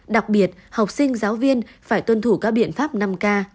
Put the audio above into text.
đặc biệt học sinh giáo viên phải tuân thủ các biện pháp năm k